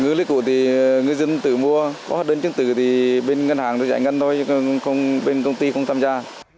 ngư lấy cụ thì ngư dân tự mua có đơn chứng tử thì bên ngân hàng tự trả ngân thôi bên công ty không tham gia